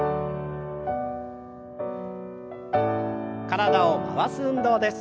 体を回す運動です。